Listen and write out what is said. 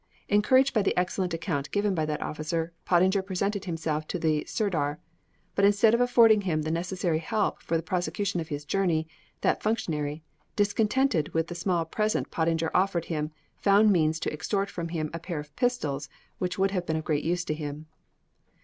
Encouraged by the excellent account given by that officer, Pottinger presented himself to the Serdar. But instead of affording him the necessary help for the prosecution of his journey, that functionary, discontented with the small present Pottinger offered him, found means to extort from him a pair of pistols, which would have been of great use to him.